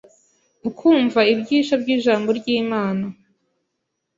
ukumva ibyisho by’ijambo ry’Imana.